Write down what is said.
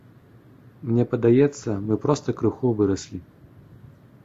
Мне падаецца, мы проста крыху выраслі.